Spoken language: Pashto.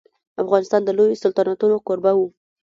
افغانستان د لويو سلطنتونو کوربه و.